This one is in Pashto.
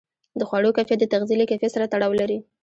د خوړو کیفیت د تغذیې له کیفیت سره تړاو لري.